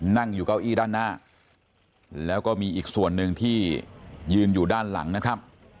นั่งอยู่เก้าอี้ด้านหน้าแล้วก็มีอีกส่วนหนึ่งที่ยืนอยู่ด้านหลังนะครับ